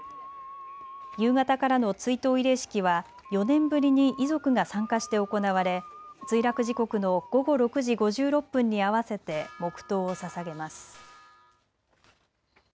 夕方からの追悼慰霊式は４年ぶりに遺族が参加して行われ墜落時刻の午後６時５６分に合わせて黙とうをささげます。